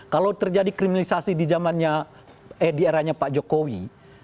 kalau terjadi kriminalisasi di eranya pak jokowi